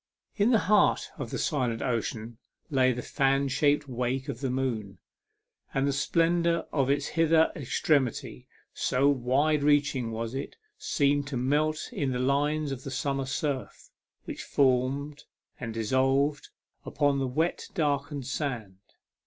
In the heart of the silent ocean lay the fan shaped wake of the moon, and the splendour of its hither extremity, so wide reaching was it, seemed to melt in the lines of summer surf, which formed and dissolved upon the wet darkened sand.